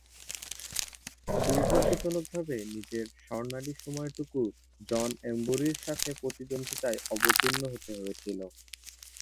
দূর্ভাগ্যজনকভাবে নিজের স্বর্ণালী সময়টুকু জন এম্বুরি’র সাথে প্রতিদ্বন্দ্বিতায় অবতীর্ণ হতে হয়েছিল।